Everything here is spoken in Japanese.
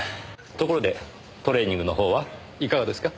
ところでトレーニングの方はいかがですか？